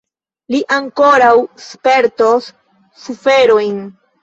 Li ankoraŭ spertos suferojn!